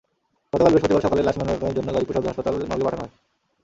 গতকাল বৃহস্পতিবার সকালে লাশ ময়নাতদন্তের জন্য গাজীপুর সদর হাসপাতাল মর্গে পাঠানো হয়।